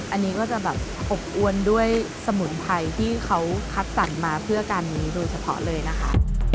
อันนี้ก็จะแบบอบอวนด้วยสมุนไพรที่เขาคัดสรรมาเพื่อการนี้โดยเฉพาะเลยนะคะ